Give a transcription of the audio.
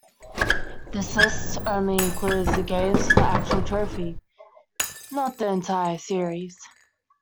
This list only includes the games for the actual trophy, not the entire series.